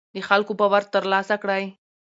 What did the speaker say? د خلکو باور تر لاسه کړئ